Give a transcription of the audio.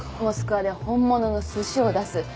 モスクワで本物のすしを出す。